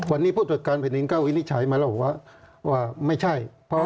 วันนี้ผู้ตรวจการแผนินเก้าวิทย์นี้ใช้มาแล้วว่าไม่ใช่